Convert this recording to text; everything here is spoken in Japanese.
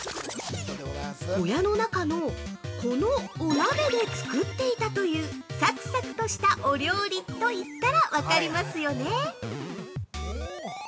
小屋の中のこのお鍋で作っていたというサクサクとしたお料理といったら分かりますよね？